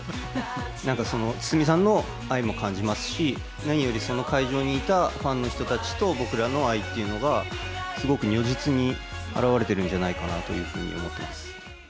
なんかその、堤さんの愛も感じますし、何よりその会場にいたファンの人たちと僕らの愛っていうのが、すごく如実に表れてるんじゃないかなというふうに思っています。